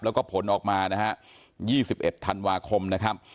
แล้วก็ผลออกมานะฮะ๒๑ธันวาคมนะครับ